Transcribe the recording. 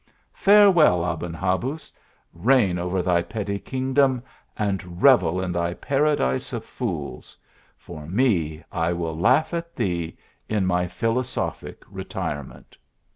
Farewell, Aben Habuz ; reign over thy petty kingdom, and revel in thy paradise of fools for me, I will laugh at thee in my philosophic retirement."